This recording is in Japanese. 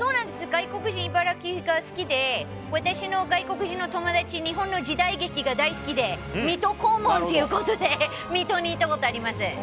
外国人、茨城が好きで、私の外国人の友達、日本の時代劇が大好きで、水戸黄門ということで、水戸に行ったことあります。